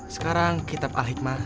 sekarang kitab al hikmah